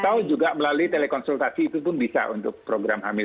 atau juga melalui telekonsultasi itu pun bisa untuk program hamil